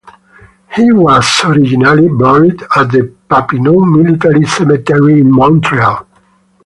He was originally buried at the Papineau military cemetery in Montreal.